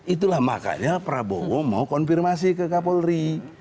itulah makanya prabowo mau konfirmasi ke kapolri